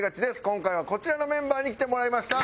今回はこちらのメンバーに来てもらいました。